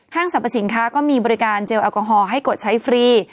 สรรพสินค้าก็มีบริการเจลแอลกอฮอล์ให้กดใช้ฟรี